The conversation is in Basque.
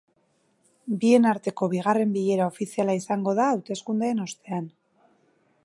Bien arteko bigarren bilera ofiziala izango da hauteskundeen ostean.